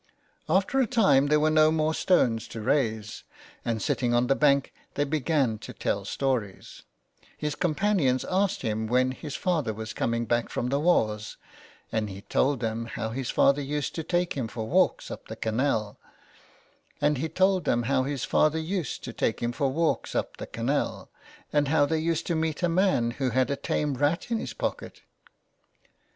After a time there were no more stones to raise, and sitting on the bank they began to tell stories. His companions asked him when his father was coming back from the wars, and he told them how his father used to take him for walks up the canal, and how they used to meet a man who had a tame rat in his pocket.